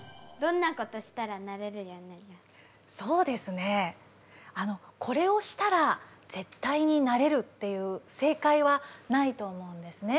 そうですねこれをしたら絶対になれるっていう正解はないと思うんですね。